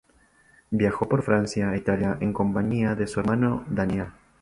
Viajó por Francia e Italia en compañía de su hermano Daniel.